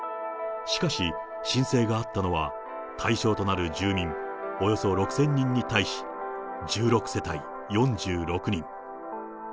しかし、申請があったのは対象となる住民およそ６０００人に対し、１６世帯４６人。